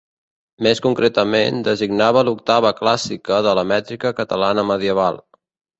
Més concretament, designava l'Octava clàssica de la Mètrica Catalana medieval.